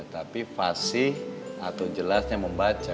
tapi fasih atau jelasnya membaca